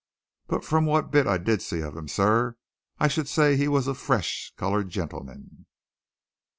But from what bit I see of him, sir, I should say he was a fresh coloured gentleman."